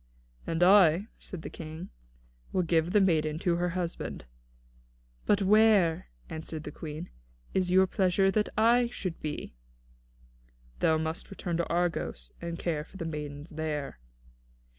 "And I," said the King, "will give the maiden to her husband." "But where," answered the Queen, "is it your pleasure that I should be?" "Thou must return to Argos, and care for the maidens there."